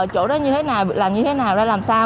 chỗ đó như thế nào làm như thế nào ra làm sao